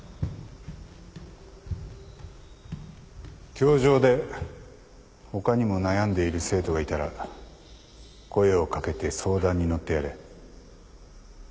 教場で他にも悩んでいる生徒がいたら声を掛けて相談に乗ってやれ。